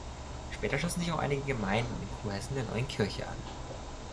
Später schlossen sich auch einige Gemeinden in Kurhessen der neuen Kirche an.